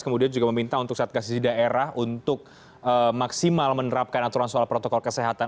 kemudian juga meminta untuk satgas di daerah untuk maksimal menerapkan aturan soal protokol kesehatan